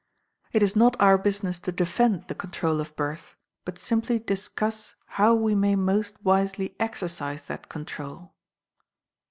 It is not our business to defend the control of birth, but simply discuss how we may most wisely exercise that control."